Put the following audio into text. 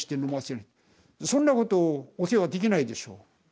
そんなことお世話できないでしょ